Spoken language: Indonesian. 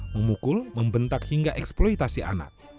memukul membentak hingga eksploitasi anak